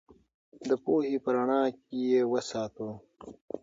د پوهې په رڼا کې یې وساتو.